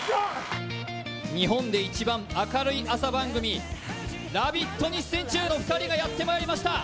日本で一番明るい朝番組「ラヴィット！」に出演中の２人がやってまいりました